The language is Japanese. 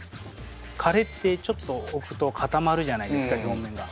カレーってちょっと置くと固まるじゃないですか表面が。